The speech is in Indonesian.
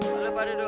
boleh pada dong